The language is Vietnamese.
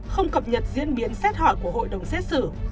không cập nhật diễn biến xét hỏi của hội đồng xét xử